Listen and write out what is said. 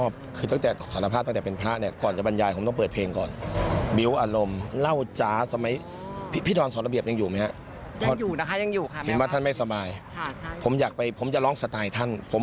พูดแล้วก็คิดถึงพี่ดอลเหมือนกันนะคะ